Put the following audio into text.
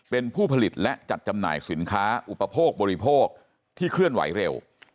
เป็นผู้ผลิตและจัดจำหน่ายสินค้าอุปโภคบริโภคที่เคลื่อนไหวเร็ว